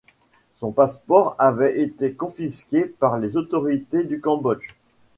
Son passeport avait été confisqué par les autorités du Cambodge.